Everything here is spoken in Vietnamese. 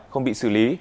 không bị xử lý